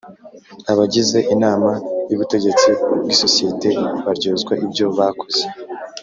Abagize Inama y’Ubutegetsi bw’isosiyete baryozwa ibyo bakoze